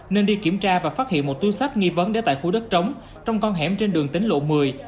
nên đi kiểm tra và phát hiện một túi sách nghi vấn để tại khu đất trống trong con hẻm trên đường tính lộ một mươi